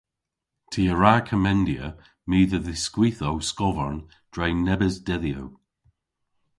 Ty a wra komendya my dhe dhiskwitha ow skovarn dre nebes dedhyow.